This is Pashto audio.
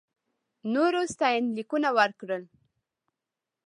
نورو ستاینلیکونه ورکړل.